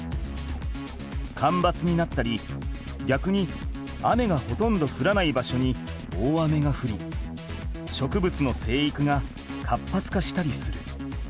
かんばつになったりぎゃくに雨がほとんどふらない場所に大雨がふり植物の生育が活発化したりする。